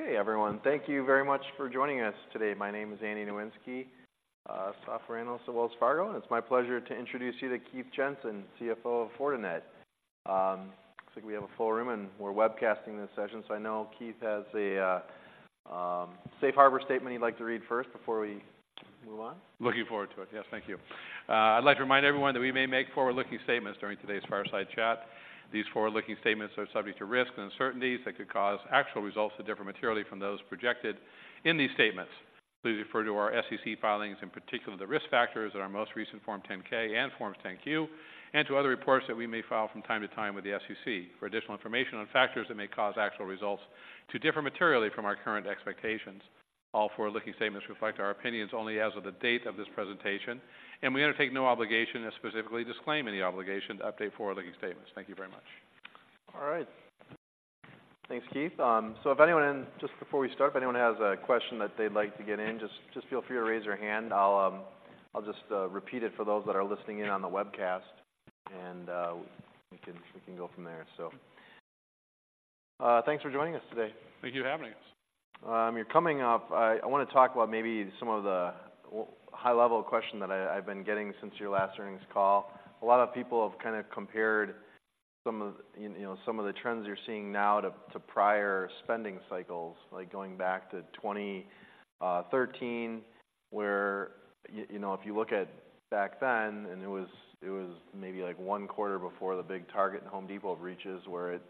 Okay, everyone, thank you very much for joining us today. My name is Andy Nowinski, software analyst at Wells Fargo, and it's my pleasure to introduce you to Keith Jensen, CFO of Fortinet. Looks like we have a full room, and we're webcasting this session, so I know Keith has a safe harbor statement he'd like to read first before we move on. Looking forward to it. Yes, thank you. I'd like to remind everyone that we may make forward-looking statements during today's fireside chat. These forward-looking statements are subject to risks and uncertainties that could cause actual results to differ materially from those projected in these statements. Please refer to our SEC filings, in particular, the risk factors in our most recent Form 10-K and Form 10-Q, and to other reports that we may file from time to time with the SEC for additional information on factors that may cause actual results to differ materially from our current expectations. All forward-looking statements reflect our opinions only as of the date of this presentation, and we undertake no obligation to specifically disclaim any obligation to update forward-looking statements. Thank you very much. All right. Thanks, Keith. So if anyone, just before we start, if anyone has a question that they'd like to get in, just feel free to raise your hand. I'll just repeat it for those that are listening in on the webcast, and we can go from there. So, thanks for joining us today. Thank you for having us. You're coming up. I want to talk about maybe some of the high-level question that I've been getting since your last earnings call. A lot of people have kind of compared some of, you know, some of the trends you're seeing now to prior spending cycles, like going back to 2013, where you know, if you look back then, and it was maybe like one quarter before the big Target and Home Depot breaches, where it,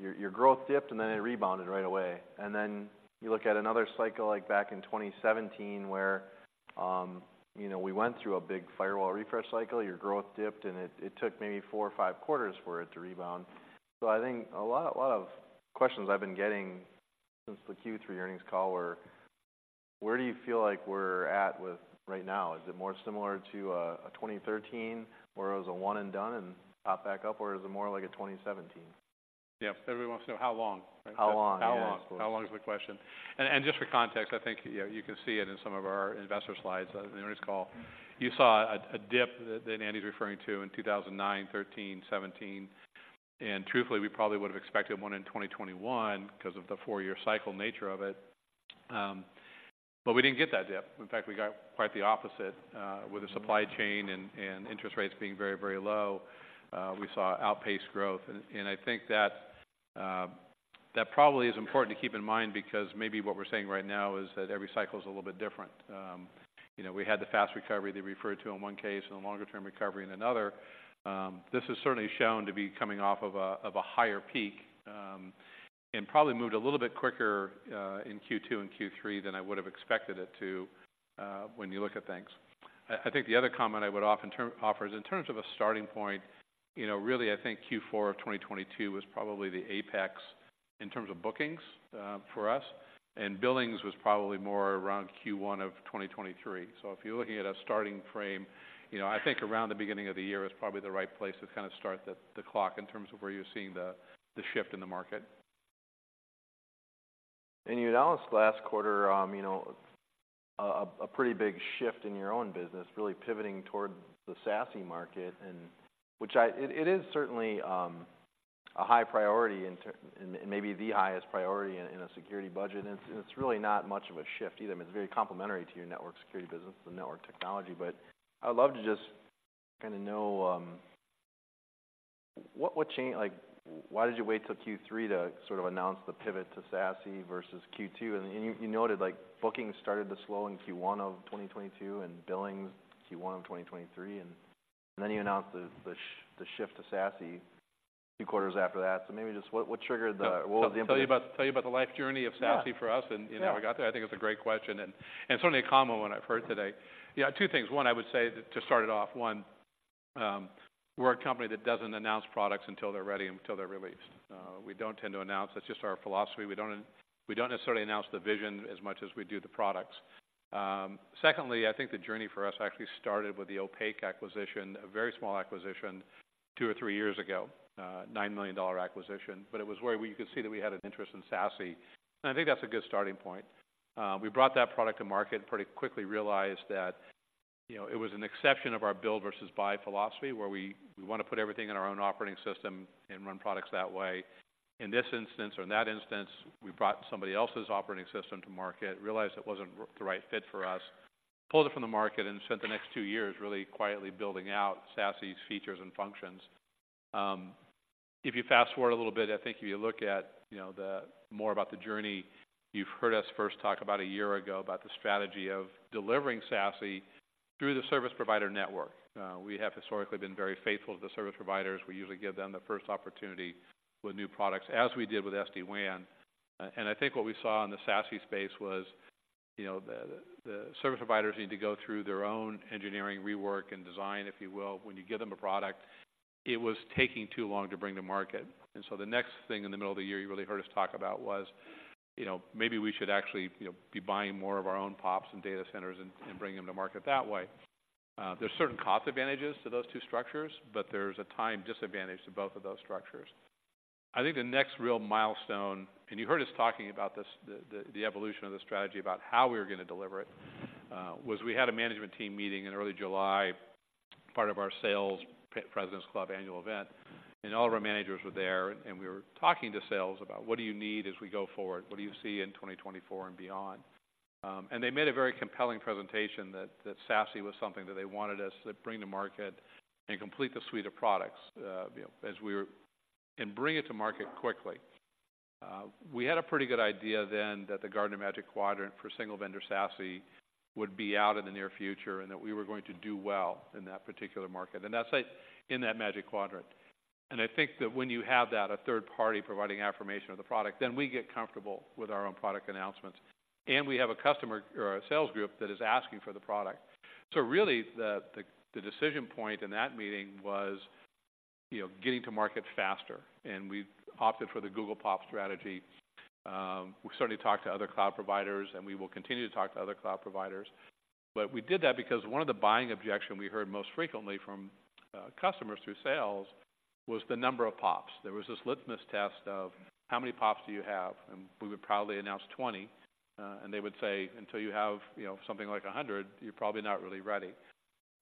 your growth dipped, and then it rebounded right away. And then you look at another cycle, like back in 2017, where you know, we went through a big firewall refresh cycle. Your growth dipped, and it took maybe four or five quarters for it to rebound. I think a lot of questions I've been getting since the Q3 earnings call were: where do you feel like we're at with right now? Is it more similar to a 2013, where it was a one and done and popped back up, or is it more like a 2017? Yeah, everyone wants to know how long, right? How long? How long? How long is the question. And just for context, I think, you know, you can see it in some of our investor slides in the earnings call. You saw a dip that Andy's referring to in 2009, 2013, 2017, and truthfully, we probably would have expected one in 2021 because of the four-year cycle nature of it, but we didn't get that dip. In fact, we got quite the opposite. With the supply chain and interest rates being very, very low, we saw outpaced growth. And I think that that probably is important to keep in mind because maybe what we're seeing right now is that every cycle is a little bit different. You know, we had the fast recovery they referred to in one case and a longer-term recovery in another. This is certainly shown to be coming off of a higher peak, and probably moved a little bit quicker in Q2 and Q3 than I would have expected it to, when you look at things. I think the other comment I would often offer is, in terms of a starting point, you know, really, I think Q4 of 2022 was probably the apex in terms of bookings for us, and billings was probably more around Q1 of 2023. So if you're looking at a starting frame, you know, I think around the beginning of the year is probably the right place to kind of start the clock in terms of where you're seeing the shift in the market. You announced last quarter, you know, a pretty big shift in your own business, really pivoting toward the SASE market, and it is certainly a high priority and maybe the highest priority in a security budget, and it's really not much of a shift either. I mean, it's very complementary to your network security business, the network technology. But I would love to just kind of know what changed. Like, why did you wait till Q3 to sort of announce the pivot to SASE versus Q2? And you noted, like, bookings started to slow in Q1 of 2022 and billings Q1 of 2023, and then you announced the shift to SASE two quarters after that. So maybe just what triggered the... What was the- Tell you about the life journey of SASE for us- Yeah... and how we got there? I think it's a great question and, and certainly a common one I've heard today. Yeah, two things. One, I would say, to start it off, one, we're a company that doesn't announce products until they're ready and until they're released. We don't tend to announce, that's just our philosophy. We don't, we don't necessarily announce the vision as much as we do the products. Secondly, I think the journey for us actually started with the OPAQ acquisition, a very small acquisition two or three years ago, $9 million acquisition, but it was where we could see that we had an interest in SASE, and I think that's a good starting point. We brought that product to market and pretty quickly realized that, you know, it was an exception of our build versus buy philosophy, where we, we want to put everything in our own operating system and run products that way. In this instance, or in that instance, we brought somebody else's operating system to market, realized it wasn't the right fit for us, pulled it from the market, and spent the next two years really quietly building out SASE's features and functions. If you fast forward a little bit, I think if you look at, you know, the more about the journey, you've heard us first talk about a year ago, about the strategy of delivering SASE through the service provider network. We have historically been very faithful to the service providers. We usually give them the first opportunity with new products, as we did with SD-WAN. And I think what we saw in the SASE space was, you know, the service providers need to go through their own engineering rework and design, if you will, when you give them a product. It was taking too long to bring to market. And so the next thing in the middle of the year you really heard us talk about was, you know, maybe we should actually, you know, be buying more of our own POPs and data centers and bringing them to market that way. There's certain cost advantages to those two structures, but there's a time disadvantage to both of those structures. I think the next real milestone, and you heard us talking about this, the evolution of the strategy about how we were going to deliver it, was we had a management team meeting in early July, part of our sales President's Club annual event, and all of our managers were there, and we were talking to sales about: What do you need as we go forward? What do you see in 2024 and beyond? And they made a very compelling presentation that SASE was something that they wanted us to bring to market and complete the suite of products, you know, and bring it to market quickly. We had a pretty good idea then that the Gartner Magic Quadrant for single vendor SASE would be out in the near future, and that we were going to do well in that particular market, and that's, like, in that magic quadrant. I think that when you have that, a third party providing affirmation of the product, then we get comfortable with our own product announcements. We have a customer or a sales group that is asking for the product. So really, the decision point in that meeting was, you know, getting to market faster, and we opted for the Google POPs strategy. We certainly talked to other cloud providers, and we will continue to talk to other cloud providers, but we did that because one of the buying objection we heard most frequently from customers through sales was the number of POPs. There was this litmus test of: How many POPs do you have? And we would proudly announce 20, and they would say, "Until you have, you know, something like a 100, you're probably not really ready."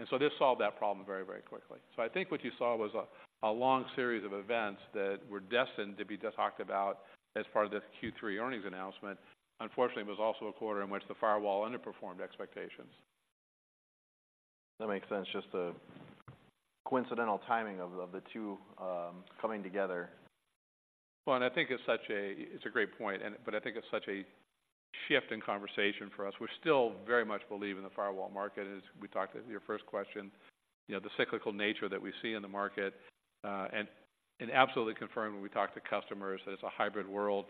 And so this solved that problem very, very quickly. So I think what you saw was a long series of events that were destined to be talked about as part of this Q3 earnings announcement. Unfortunately, it was also a quarter in which the firewall underperformed expectations. That makes sense. Just the coincidental timing of the two coming together. Well, I think it's such a great point, but I think it's such a shift in conversation for us. We still very much believe in the firewall market, and as we talked to your first question, you know, the cyclical nature that we see in the market, and absolutely confirmed when we talk to customers that it's a hybrid world,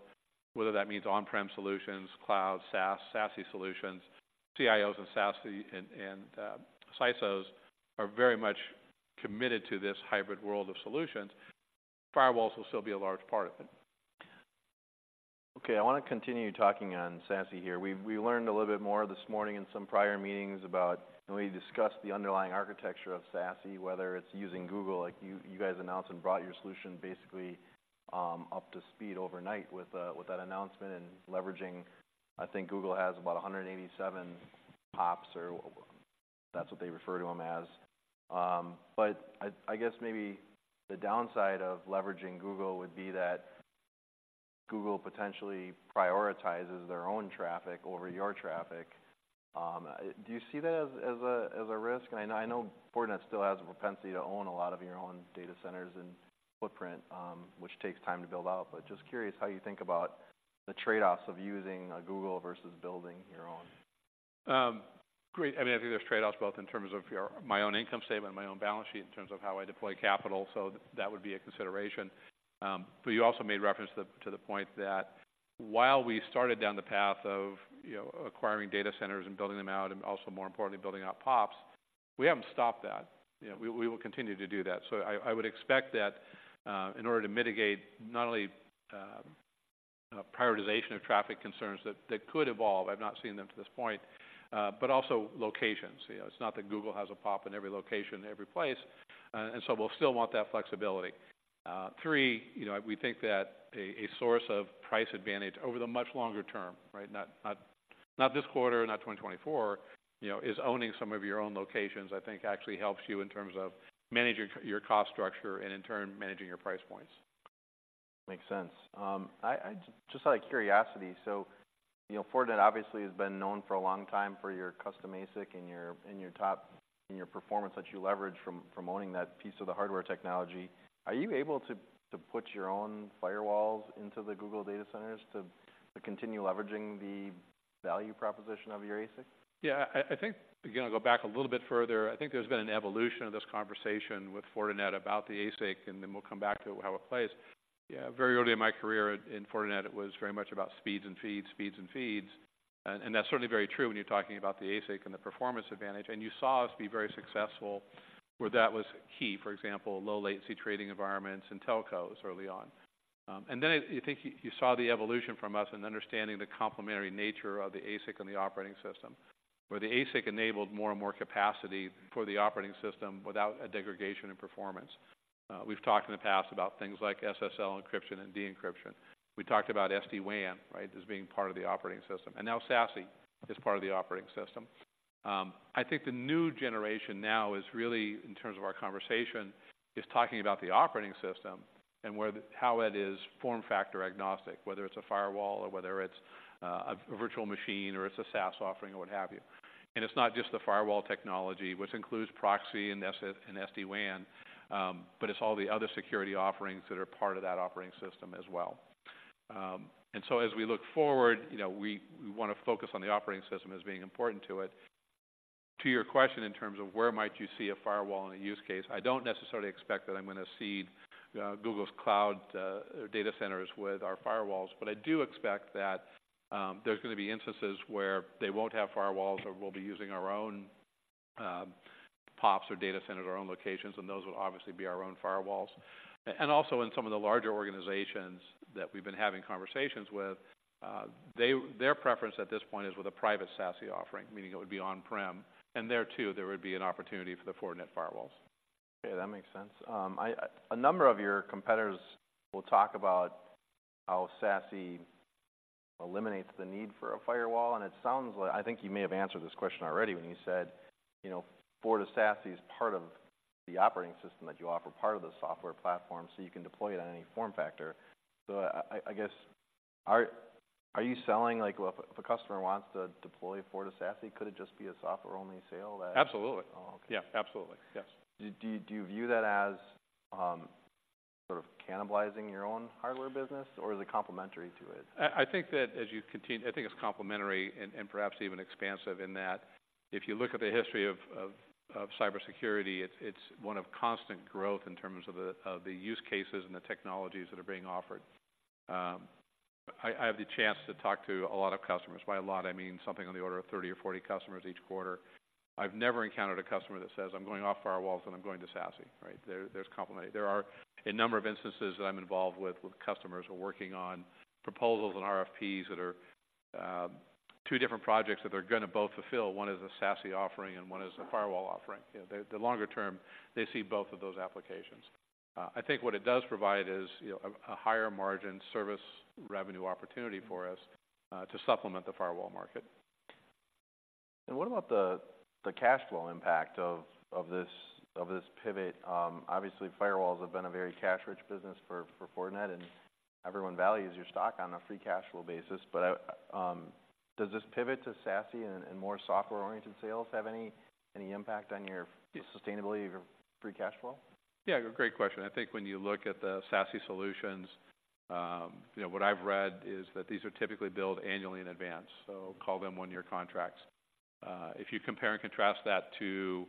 whether that means on-prem solutions, cloud, SaaS, SASE solutions. CIOs and CISOs are very much committed to this hybrid world of solutions. Firewalls will still be a large part of it. Okay, I want to continue talking on SASE here. We, we learned a little bit more this morning in some prior meetings about and we discussed the underlying architecture of SASE, whether it's using Google, like you, you guys announced and brought your solution basically up to speed overnight with with that announcement and leveraging. I think Google has about 187 POPs or that's what they refer to them as. But I, I guess maybe the downside of leveraging Google would be that Google potentially prioritizes their own traffic over your traffic. Do you see that as, as a, as a risk? I know, I know Fortinet still has a propensity to own a lot of your own data centers and footprint, which takes time to build out, but just curious how you think about the trade-offs of using a Google versus building your own. Great. I mean, I think there's trade-offs both in terms of your-- my own income statement and my own balance sheet, in terms of how I deploy capital, so that would be a consideration. But you also made reference to the, to the point that while we started down the path of, you know, acquiring data centers and building them out, and also more importantly, building out POPs, we haven't stopped that. You know, we, we will continue to do that. So I, I would expect that, in order to mitigate not only, prioritization of traffic concerns that, that could evolve, I've not seen them to this point, but also locations. You know, it's not that Google has a POP in every location, every place, and so we'll still want that flexibility. you know, we think that a source of price advantage over the much longer term, right? Not this quarter, not 2024, you know, is owning some of your own locations, I think actually helps you in terms of managing your cost structure and in turn, managing your price points. Makes sense. I just out of curiosity, so, you know, Fortinet obviously has been known for a long time for your custom ASIC and your top performance that you leverage from owning that piece of the hardware technology. Are you able to put your own firewalls into the Google data centers to continue leveraging the value proposition of your ASIC? Yeah, I think, again, I'll go back a little bit further. I think there's been an evolution of this conversation with Fortinet about the ASIC, and then we'll come back to how it plays. Yeah, very early in my career in Fortinet, it was very much about speeds and feeds, speeds and feeds. And that's certainly very true when you're talking about the ASIC and the performance advantage, and you saw us be very successful where that was key. For example, low latency trading environments and telcos early on. And then I think you saw the evolution from us and understanding the complementary nature of the ASIC and the operating system, where the ASIC enabled more and more capacity for the operating system without a degradation in performance. We've talked in the past about things like SSL encryption and decryption. We talked about SD-WAN, right? As being part of the operating system, and now SASE is part of the operating system. I think the new generation now is really, in terms of our conversation, is talking about the operating system and where the how it is form factor agnostic, whether it's a firewall or whether it's a virtual machine or it's a SaaS offering or what have you. And it's not just the firewall technology, which includes proxy and SF and SD-WAN, but it's all the other security offerings that are part of that operating system as well. And so as we look forward, you know, we want to focus on the operating system as being important to it. To your question, in terms of where might you see a firewall in a use case, I don't necessarily expect that I'm going to see Google's Cloud data centers with our firewalls, but I do expect that there's going to be instances where they won't have firewalls, or we'll be using our own POPs or data centers, our own locations, and those will obviously be our own firewalls. And also, in some of the larger organizations that we've been having conversations with, their preference at this point is with a private SASE offering, meaning it would be on-prem, and there too, there would be an opportunity for the Fortinet firewalls. Okay, that makes sense. A number of your competitors will talk about how SASE eliminates the need for a firewall, and it sounds like I think you may have answered this question already when you said, you know, FortiSASE is part of the operating system that you offer, part of the software platform, so you can deploy it on any form factor. So, I guess, are you selling, like, well, if a customer wants to deploy FortiSASE, could it just be a software-only sale that- Absolutely. Oh, okay. Yeah, absolutely. Yes. Do you view that as sort of cannibalizing your own hardware business, or is it complementary to it? I think that as you continue, I think it's complementary and perhaps even expansive in that if you look at the history of cybersecurity, it's one of constant growth in terms of the use cases and the technologies that are being offered. I have the chance to talk to a lot of customers. By a lot, I mean something on the order of 30 or 40 customers each quarter. I've never encountered a customer that says: I'm going off firewalls, and I'm going to SASE. Right? There's complementary. There are a number of instances that I'm involved with customers, we're working on proposals and RFPs that are two different projects that they're gonna both fulfill. One is a SASE offering, and one is a firewall offering. You know, the longer term, they see both of those applications. I think what it does provide is, you know, a higher margin service revenue opportunity for us, to supplement the firewall market. What about the cash flow impact of this pivot? Obviously, firewalls have been a very cash-rich business for Fortinet, and everyone values your stock on a free cash flow basis. But, does this pivot to SASE and more software-oriented sales have any impact on your- Yes... sustainability of your free cash flow? Yeah, great question. I think when you look at the SASE solutions, you know, what I've read is that these are typically billed annually in advance, so call them one-year contracts. If you compare and contrast that to,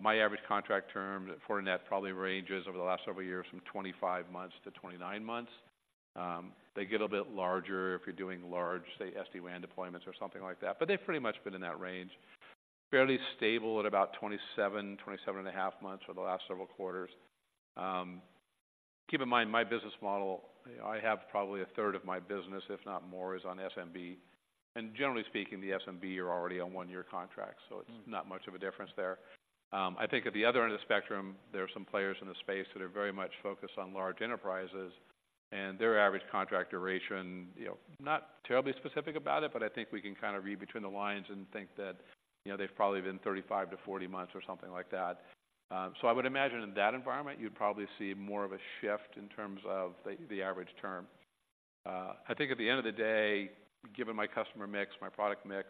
my average contract term at Fortinet probably ranges over the last several years, from 25 months to 29 months. They get a bit larger if you're doing large, say, SD-WAN deployments or something like that, but they've pretty much been in that range. Fairly stable at about 27-27.5 months for the last several quarters. Keep in mind, my business model, I have probably a third of my business, if not more, is on SMB, and generally speaking, the SMB are already on one-year contracts, so- Mm... it's not much of a difference there. I think at the other end of the spectrum, there are some players in the space that are very much focused on large enterprises, and their average contract duration, you know, not terribly specific about it, but I think we can kind of read between the lines and think that, you know, they've probably been 35-40 months or something like that. So I would imagine in that environment, you'd probably see more of a shift in terms of the average term. I think at the end of the day, given my customer mix, my product mix,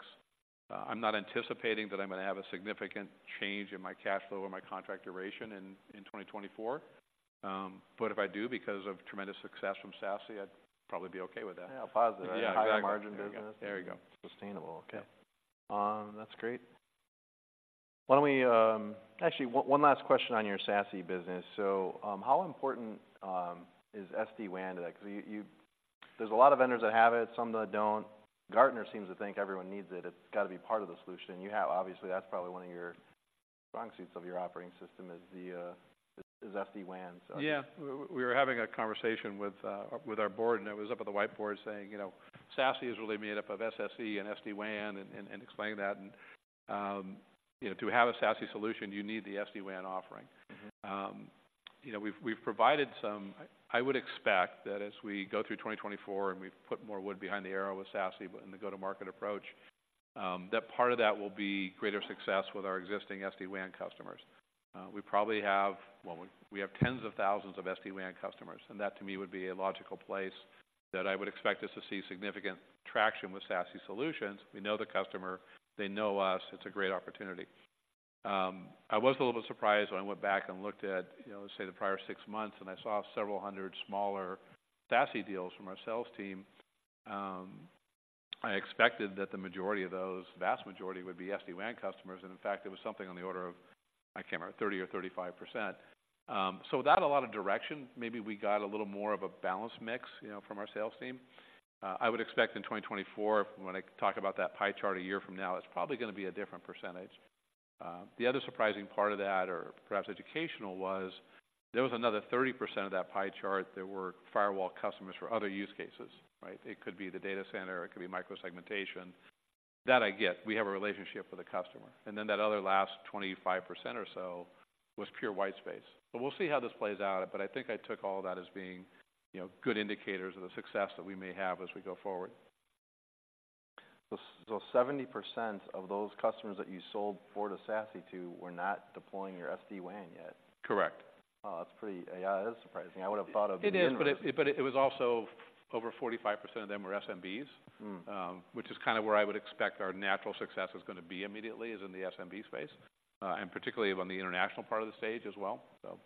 I'm not anticipating that I'm gonna have a significant change in my cash flow or my contract duration in 2024. But if I do, because of tremendous success from SASE, I'd probably be okay with that. Yeah, positive- Yeah, exactly. Higher margin business. There you go. Sustainable, okay. Yeah. That's great. Why don't we... Actually, one last question on your SASE business. So, how important is SD-WAN to that? 'Cause there's a lot of vendors that have it, some that don't. Gartner seems to think everyone needs it. It's gotta be part of the solution. You have obviously, that's probably one of your strong suits of your operating system, is the, is SD-WAN, so- Yeah. We were having a conversation with our board, and it was up on the whiteboard saying, you know, SASE is really made up of SSE and SD-WAN and explaining that. You know, to have a SASE solution, you need the SD-WAN offering. Mm-hmm. You know, we've provided some. I would expect that as we go through 2024, and we've put more wood behind the arrow with SASE in the go-to-market approach, that part of that will be greater success with our existing SD-WAN customers. We probably have—well, we have tens of thousands of SD-WAN customers, and that to me would be a logical place that I would expect us to see significant traction with SASE solutions. We know the customer. They know us. It's a great opportunity. I was a little bit surprised when I went back and looked at, you know, say, the prior six months, and I saw several hundred smaller SASE deals from our sales team. I expected that the majority of those, vast majority, would be SD-WAN customers, and in fact, it was something on the order of, I can't remember, 30 or 35%. So without a lot of direction, maybe we got a little more of a balanced mix, you know, from our sales team. I would expect in 2024, when I talk about that pie chart a year from now, it's probably gonna be a different percentage. The other surprising part of that, or perhaps educational, was there was another 30% of that pie chart that were firewall customers for other use cases, right? It could be the data center, it could be micro-segmentation. That I get. We have a relationship with the customer. And then that other last 25% or so was pure white space. But we'll see how this plays out, but I think I took all that as being, you know, good indicators of the success that we may have as we go forward. So, 70% of those customers that you sold FortiSASE to were not deploying your SD-WAN yet? Correct. Oh, that's pretty... Yeah, that is surprising. I would've thought of- It is- minimum.... but it was also over 45% of them were SMBs. Mm. Which is kind of where I would expect our natural success is gonna be immediately in the SMB space, and particularly on the international part of the stage as well, so.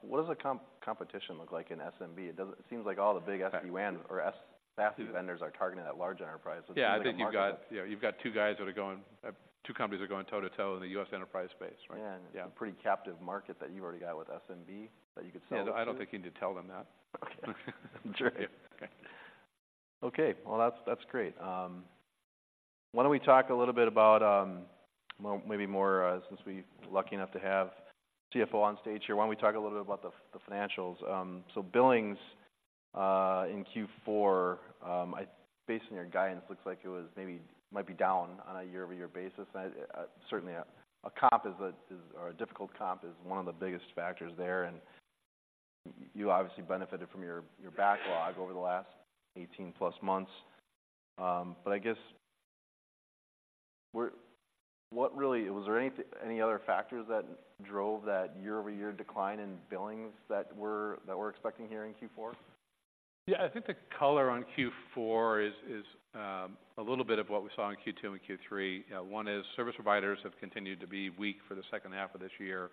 What does the competition look like in SMB? It doesn't seem like all the big SD-WAN- Yeah... or SASE vendors are targeting that large enterprise. Yeah- I think you've got- Yeah, you've got two guys that are going, two companies are going toe-to-toe in the US enterprise space, right? Yeah. Yeah. A pretty captive market that you've already got with SMB, that you could sell- Yeah, I don't think you need to tell them that. Okay. Sure. Yeah. Okay. Well, that's great. Why don't we talk a little bit about, well, maybe more, since we're lucky enough to have CFO on stage here, why don't we talk a little bit about the financials? So billings in Q4, based on your guidance, looks like it might be down on a year-over-year basis. Certainly a difficult comp is one of the biggest factors there and you obviously benefited from your backlog over the last 18+ months. But I guess what really was there any other factors that drove that year-over-year decline in billings that we're expecting here in Q4? Yeah, I think the color on Q4 is a little bit of what we saw in Q2 and Q3. One is service providers have continued to be weak for the second half of this year.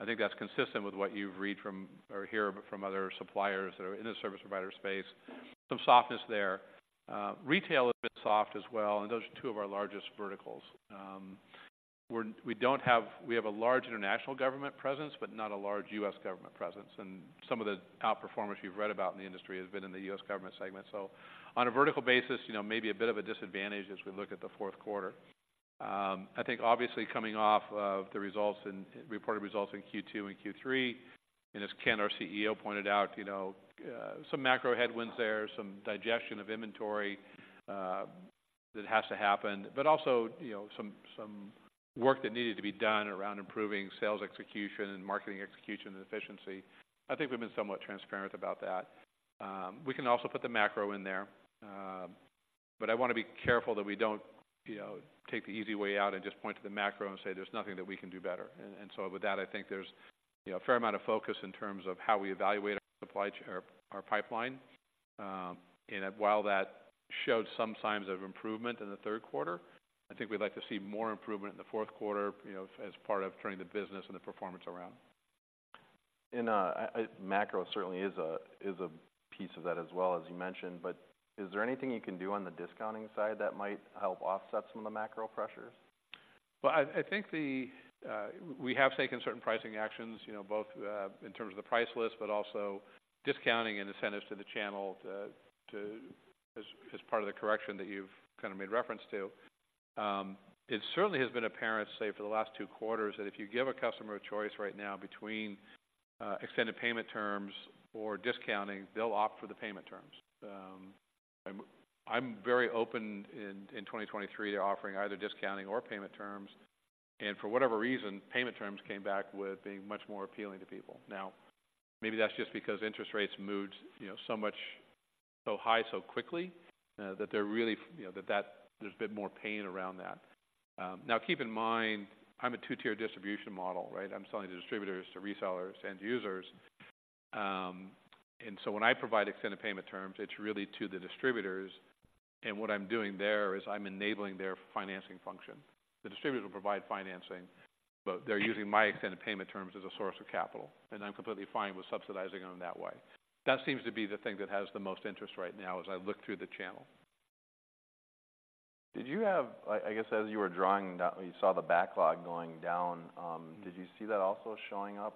I think that's consistent with what you've read from or hear from other suppliers that are in the service provider space. Some softness there. Retail is a bit soft as well, and those are two of our largest verticals. We have a large international government presence, but not a large U.S. government presence, and some of the outperformance you've read about in the industry has been in the U.S. government segment. So on a vertical basis, you know, maybe a bit of a disadvantage as we look at the fourth quarter. I think obviously coming off of the reported results in Q2 and Q3, and as Ken, our CEO, pointed out, you know, some macro headwinds there, some digestion of inventory that has to happen, but also, you know, some work that needed to be done around improving sales execution and marketing execution and efficiency. I think we've been somewhat transparent about that. We can also put the macro in there, but I want to be careful that we don't, you know, take the easy way out and just point to the macro and say there's nothing that we can do better. And so with that, I think there's, you know, a fair amount of focus in terms of how we evaluate our supply chain, or our pipeline. While that showed some signs of improvement in the third quarter, I think we'd like to see more improvement in the fourth quarter, you know, as part of turning the business and the performance around. Macro certainly is a piece of that as well, as you mentioned, but is there anything you can do on the discounting side that might help offset some of the macro pressures? Well, I think the... We have taken certain pricing actions, you know, both in terms of the price list, but also discounting incentives to the channel to as part of the correction that you've kind of made reference to. It certainly has been apparent, say, for the last two quarters, that if you give a customer a choice right now between extended payment terms or discounting, they'll opt for the payment terms. I'm very open in 2023 to offering either discounting or payment terms, and for whatever reason, payment terms came back with being much more appealing to people. Now, maybe that's just because interest rates moved, you know, so much, so high, so quickly, that they're really, you know, that there's a bit more pain around that. Now keep in mind, I'm a two-tier distribution model, right? I'm selling to distributors, to resellers, end users. And so when I provide extended payment terms, it's really to the distributors, and what I'm doing there is I'm enabling their financing function. The distributors will provide financing, but they're using my extended payment terms as a source of capital, and I'm completely fine with subsidizing them that way. That seems to be the thing that has the most interest right now as I look through the channel. Did you have... I guess, as you were drawing down, you saw the backlog going down, did you see that also showing up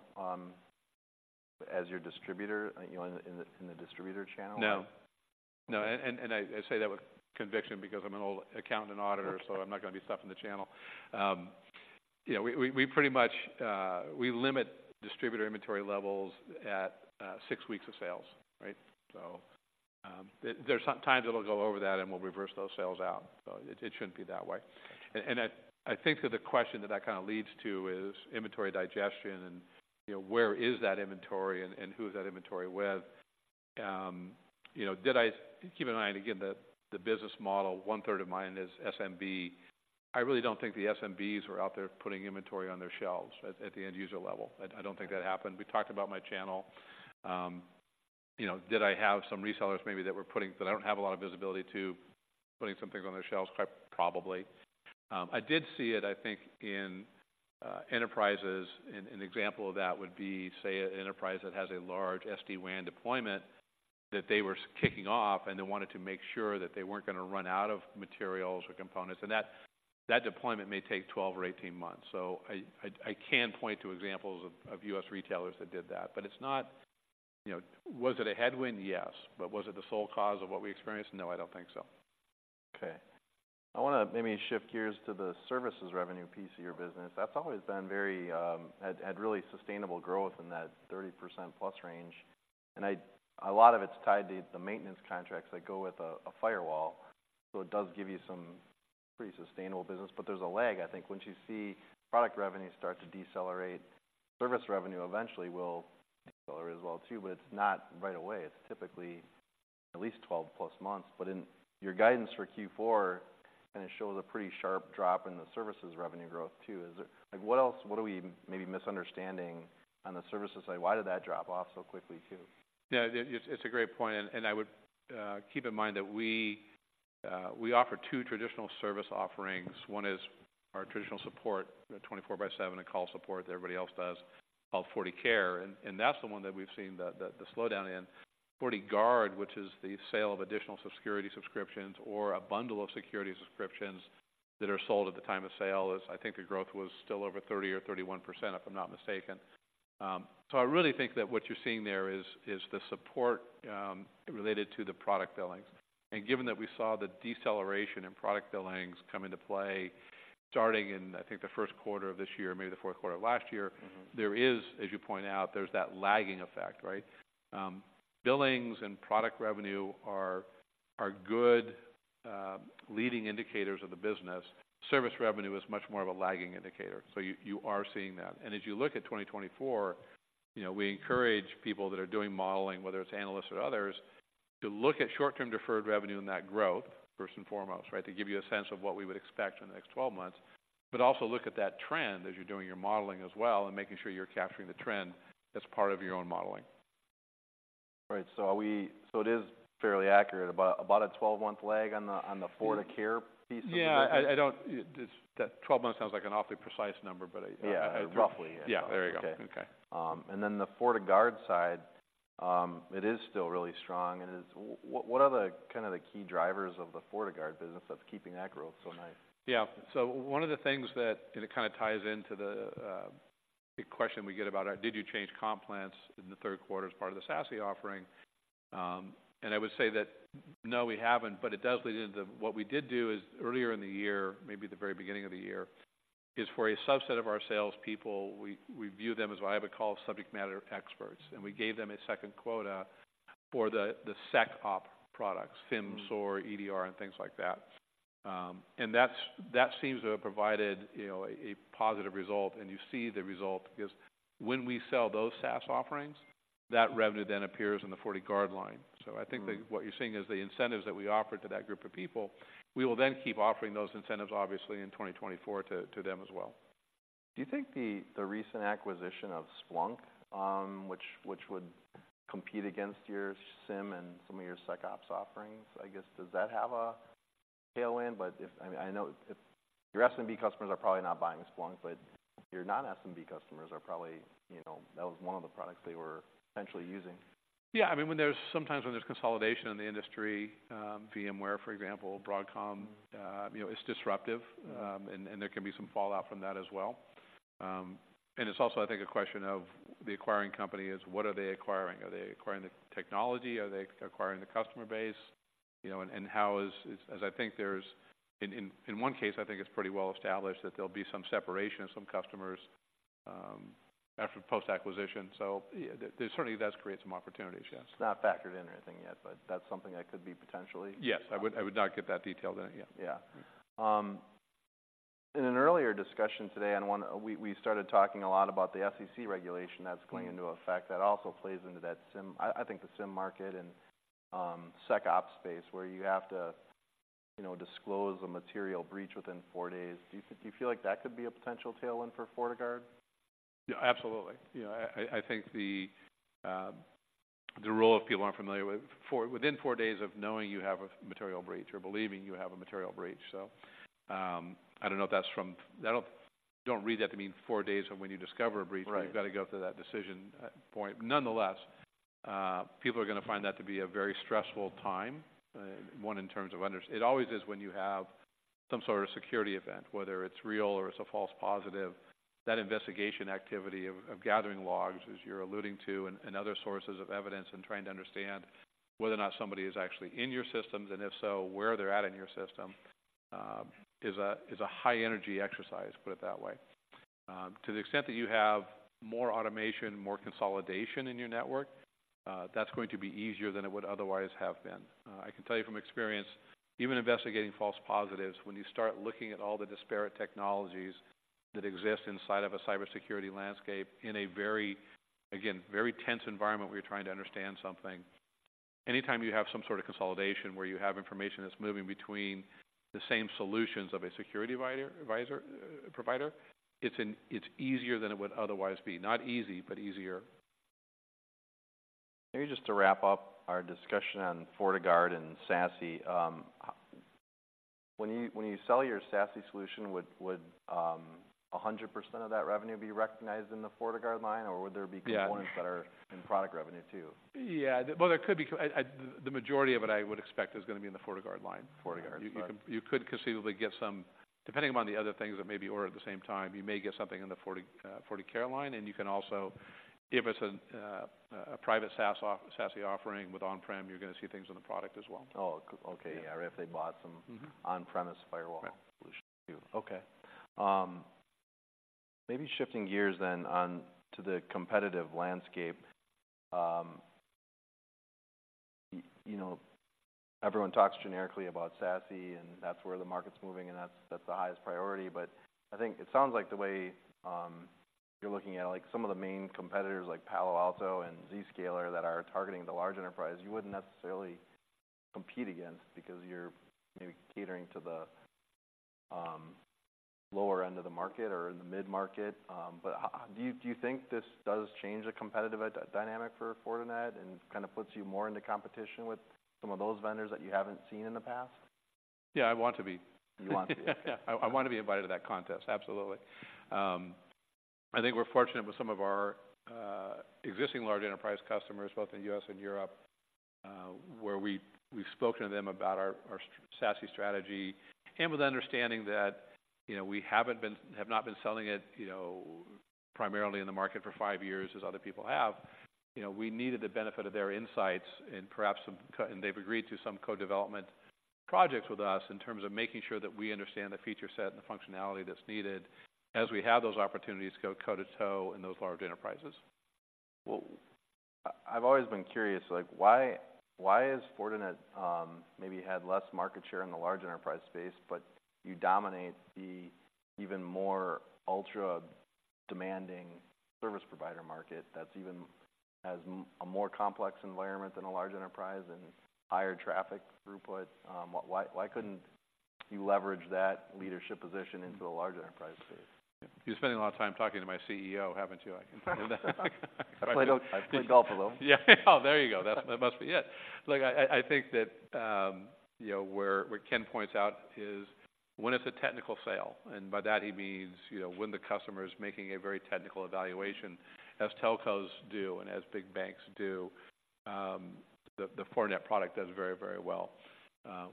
as your distributor, you know, in the distributor channel? No. No, and I say that with conviction because I'm an old accountant and auditor, so I'm not going to be stuffing the channel. You know, we pretty much limit distributor inventory levels at six weeks of sales, right? So, there's some times it'll go over that, and we'll reverse those sales out. So it shouldn't be that way. And I think that the question that that kind of leads to is inventory digestion and, you know, where is that inventory and who is that inventory with? You know, keep an eye on, again, the business model, one-third of mine is SMB. I really don't think the SMBs were out there putting inventory on their shelves at the end user level. I don't think that happened. We talked about my channel. You know, did I have some resellers maybe that were putting—that I don't have a lot of visibility to, putting some things on their shelves? Probably. I did see it, I think, in enterprises, and an example of that would be, say, an enterprise that has a large SD-WAN deployment that they were kicking off, and they wanted to make sure that they weren't going to run out of materials or components, and that deployment may take 12 or 18 months. So I can point to examples of U.S. retailers that did that, but it's not, you know... Was it a headwind? Yes. But was it the sole cause of what we experienced? No, I don't think so. Okay. I want to maybe shift gears to the services revenue piece of your business. That's always been very has had really sustainable growth in that 30%+ range, and a lot of it's tied to the maintenance contracts that go with a firewall, so it does give you some pretty sustainable business. But there's a lag, I think. Once you see product revenue start to decelerate, service revenue eventually will decelerate as well, too, but it's not right away. It's typically at least 12+ months. But in your guidance for Q4, kind of shows a pretty sharp drop in the services revenue growth, too. Is it like, what else, what are we maybe misunderstanding on the services side? Why did that drop off so quickly, too? Yeah, it's a great point, and I would keep in mind that we offer two traditional service offerings. One is our traditional support, 24x7, a call support that everybody else does, called FortiCare, and that's the one that we've seen the slowdown in. FortiGuard, which is the sale of additional security subscriptions or a bundle of security subscriptions that are sold at the time of sale, is, I think, the growth was still over 30 or 31%, if I'm not mistaken. So I really think that what you're seeing there is the support related to the product billings. And given that we saw the deceleration in product billings come into play, starting in, I think, the first quarter of this year, maybe the fourth quarter of last year- Mm-hmm. There is, as you point out, there's that lagging effect, right? Billings and product revenue are good leading indicators of the business, service revenue is much more of a lagging indicator, so you, you are seeing that. And as you look at 2024, you know, we encourage people that are doing modeling, whether it's analysts or others, to look at short-term deferred revenue and that growth first and foremost, right? To give you a sense of what we would expect in the next 12 months, but also look at that trend as you're doing your modeling as well, and making sure you're capturing the trend as part of your own modeling. Right. So it is fairly accurate, about a 12-month lag on the FortiCare piece of it? Yeah, I don't... That 12 months sounds like an awfully precise number, but I- Yeah, roughly, yeah. Yeah. There you go. Okay. Okay. And then the FortiGuard side, it is still really strong, and it's. What, what are the kind of the key drivers of the FortiGuard business that's keeping that growth so nice? Yeah. So one of the things that, and it kind of ties into the big question we get about our—did you change comp plans in the third quarter as part of the SASE offering? And I would say that, no, we haven't, but it does lead into what we did do is earlier in the year, maybe the very beginning of the year, is for a subset of our salespeople, we view them as what I would call subject matter experts, and we gave them a second quota for the SecOps products- Mm. SIM, SOAR, EDR, and things like that. And that seems to have provided, you know, a positive result, and you see the result, because when we sell those SaaS offerings, that revenue then appears in the FortiGuard line. Mm. I think that what you're seeing is the incentives that we offer to that group of people. We will then keep offering those incentives, obviously, in 2024 to them as well. Do you think the recent acquisition of Splunk, which would compete against your SIEM and some of your SecOps offerings, I guess, does that have a tailwind? But I know if your SMB customers are probably not buying Splunk, but your non-SMB customers are probably, you know, that was one of the products they were potentially using. Yeah. I mean, sometimes when there's consolidation in the industry, VMware, for example, Broadcom, you know, it's disruptive. Mm. And there can be some fallout from that as well. And it's also, I think, a question of the acquiring company is, what are they acquiring? Are they acquiring the technology? Are they acquiring the customer base? You know, and how is it. I think there's in one case, I think it's pretty well established that there'll be some separation of some customers after post-acquisition. So yeah, there certainly does create some opportunities, yes. It's not factored in or anything yet, but that's something that could be potentially? Yes. I would, I would not get that detailed in it. Yeah. Yeah. In an earlier discussion today, we started talking a lot about the SEC regulation that's going into effect. Mm. That also plays into that SIM. I think the SIM market and SecOps space, where you have to, you know, disclose a material breach within four days. Do you feel like that could be a potential tailwind for FortiGuard? Yeah, absolutely. You know, I think the role, if people aren't familiar with, for within four days of knowing you have a material breach or believing you have a material breach. So, I don't know if that's from. Don't read that to mean four days from when you discover a breach. Right... but you've got to go through that decision point. Nonetheless, people are going to find that to be a very stressful time, one, in terms of it always is when you have some sort of security event, whether it's real or it's a false positive, that investigation activity of gathering logs, as you're alluding to, and other sources of evidence, and trying to understand whether or not somebody is actually in your systems, and if so, where they're at in your system, is a high-energy exercise, put it that way. To the extent that you have more automation, more consolidation in your network, that's going to be easier than it would otherwise have been. I can tell you from experience, even investigating false positives, when you start looking at all the disparate technologies that exist inside of a cybersecurity landscape in a very, again, very tense environment, where you're trying to understand something, anytime you have some sort of consolidation where you have information that's moving between the same solutions of a security provider, advisor, provider, it's easier than it would otherwise be. Not easy, but easier. Maybe just to wrap up our discussion on FortiGuard and SASE. When you sell your SASE solution, would 100% of that revenue be recognized in the FortiGuard line, or would there be- Yeah... components that are in product revenue, too? Yeah. Well, there could be. I... The majority of it, I would expect, is going to be in the FortiGuard line. FortiGuard, right. You could, you could conceivably get, depending upon the other things that may be ordered at the same time, you may get something in the FortiCare line, and you can also, if it's a private SaaS or SASE offering with on-prem, you're going to see things in the product as well. Oh, okay. Yeah. Yeah, if they bought some- Mm-hmm... on-premises firewall- Right... solutions, too. Okay. Maybe shifting gears then on to the competitive landscape. You know, everyone talks generically about SASE, and that's where the market's moving, and that's, that's the highest priority, but I think it sounds like the way you're looking at, like, some of the main competitors, like Palo Alto and Zscaler, that are targeting the large enterprise, you wouldn't necessarily compete against because you're maybe catering to the lower end of the market or in the mid-market. But do you think this does change the competitive dynamic for Fortinet and kind of puts you more into competition with some of those vendors that you haven't seen in the past? Yeah, I want to be. You want to be. Yeah. I want to be invited to that contest, absolutely. I think we're fortunate with some of our existing large enterprise customers, both in U.S. and Europe, where we've spoken to them about our SASE strategy, and with the understanding that, you know, we have not been selling it, you know, primarily in the market for five years, as other people have. You know, we needed the benefit of their insights and perhaps some and they've agreed to some co-development projects with us in terms of making sure that we understand the feature set and the functionality that's needed as we have those opportunities go toe to toe in those large enterprises.... Well, I've always been curious, like, why, why, why has Fortinet maybe had less market share in the large enterprise space, but you dominate the even more ultra-demanding service provider market that's even has a more complex environment than a large enterprise and higher traffic throughput? Why, why, why couldn't you leverage that leadership position into the large enterprise space? You're spending a lot of time talking to my CEO, haven't you? I can tell. I play golf with him. Yeah. Oh, there you go. That's, that must be it. Look, I think that, you know, where Ken points out is when it's a technical sale, and by that he means, you know, when the customer is making a very technical evaluation, as telcos do and as big banks do, the Fortinet product does very, very well.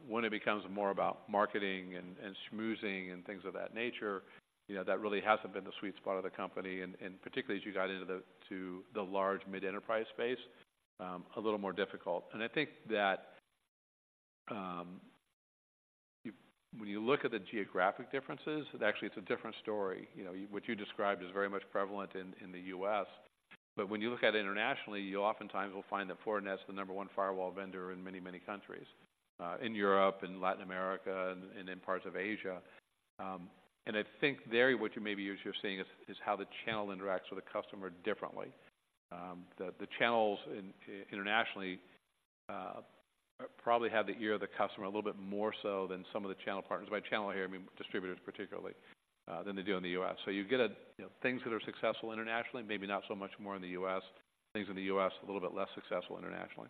When it becomes more about marketing and schmoozing and things of that nature, you know, that really hasn't been the sweet spot of the company, and particularly as you got into the large mid-enterprise space, a little more difficult. And I think that, you, when you look at the geographic differences, it actually it's a different story. You know, what you described is very much prevalent in, in the U.S., but when you look at it internationally, you oftentimes will find that Fortinet's the number one firewall vendor in many, many countries in Europe and Latin America and in parts of Asia. And I think there, what you maybe you're seeing is how the channel interacts with the customer differently. The channels internationally probably have the ear of the customer a little bit more so than some of the channel partners. By channel here, I mean distributors particularly than they do in the U.S. So you get, you know, things that are successful internationally, maybe not so much more in the U.S. Things in the U.S., a little bit less successful internationally.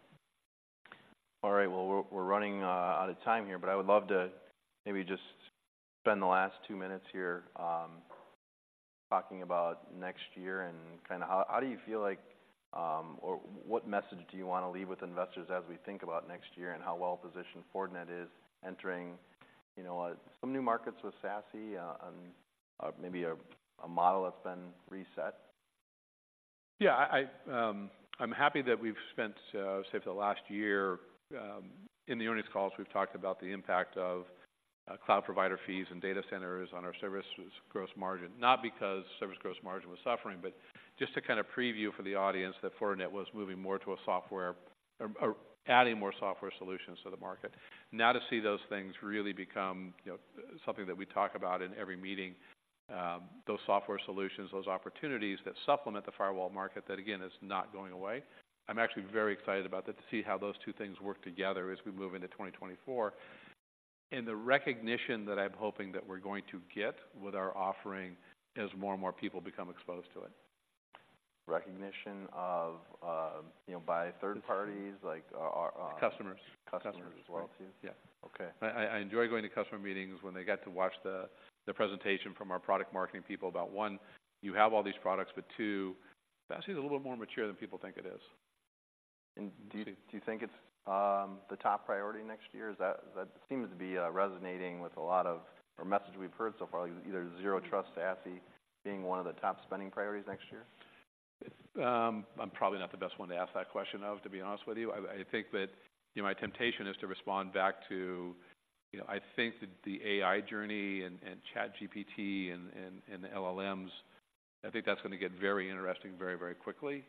All right, well, we're running out of time here, but I would love to maybe just spend the last two minutes here, talking about next year and kinda how... How do you feel like, or what message do you want to leave with investors as we think about next year and how well-positioned Fortinet is entering, you know, some new markets with SASE, and maybe a model that's been reset? Yeah, I, I'm happy that we've spent, say, for the last year, in the earnings calls, we've talked about the impact of cloud provider fees and data centers on our service gross margin. Not because service gross margin was suffering, but just to kind of preview for the audience that Fortinet was moving more to a software or, or adding more software solutions to the market. Now, to see those things really become, you know, something that we talk about in every meeting, those software solutions, those opportunities that supplement the firewall market, that again, is not going away. I'm actually very excited about that, to see how those two things work together as we move into 2024. The recognition that I'm hoping that we're going to get with our offering as more and more people become exposed to it. Recognition of, you know, by third parties, like our Customers. Customers as well, too? Yeah. Okay. I enjoy going to customer meetings when they get to watch the presentation from our product marketing people about, one, you have all these products, but two, SASE is a little bit more mature than people think it is. And do you, do you think it's the top priority next year? Is that... That seems to be resonating with a lot of our message we've heard so far, either Zero Trust, SASE, being one of the top spending priorities next year? I'm probably not the best one to ask that question of, to be honest with you. I think that, you know, my temptation is to respond back to, you know, I think that the AI journey and ChatGPT and the LLMs, I think that's going to get very interesting very, very quickly.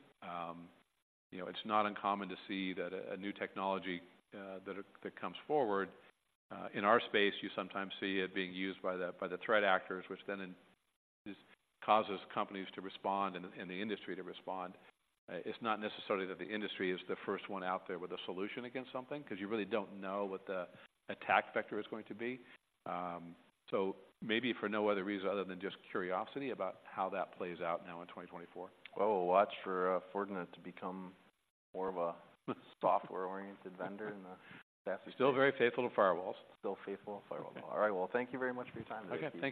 You know, it's not uncommon to see that a new technology that comes forward in our space, you sometimes see it being used by the threat actors, which then incites companies to respond and the industry to respond. It's not necessarily that the industry is the first one out there with a solution against something, 'cause you really don't know what the attack vector is going to be. Maybe for no other reason other than just curiosity about how that plays out now in 2024. Well, we'll watch for Fortinet to become more of a software-oriented vendor in the SASE. Still very faithful to firewalls. Still faithful to firewalls. Okay. All right. Well, thank you very much for your time. Okay.